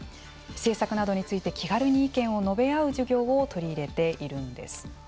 政策などについて気軽に意見を述べ合う授業を取り入れているんです。